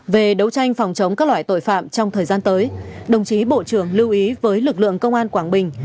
về đấu tranh phòng chống các loại tội phạm trong thời gian tới đồng chí bộ trưởng lưu ý với lực lượng công an quảng bình